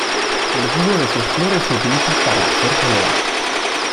El jugo de sus flores se utiliza para hacer jalea.